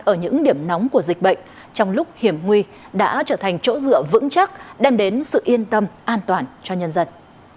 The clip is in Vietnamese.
ở những điểm nóng của dịch bệnh trong lúc hiểm nguy đã trở thành chỗ dựa vững chắc đem đến sự yên tâm an toàn cho nhân dân